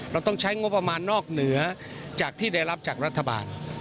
เราต้องใช้งบประมาณนอกเหนือจากที่ได้รับจากรัฐบาล